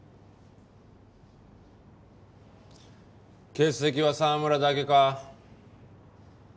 欠席は澤村だけか？